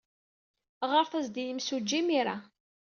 Ɣret-as-d i yemsujji imir-a.